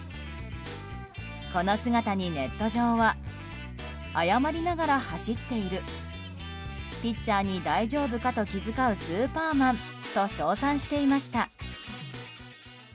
この姿に、ネット上は謝りながら走っているピッチャーに大丈夫かと気遣うスーパーマンと賞賛していました。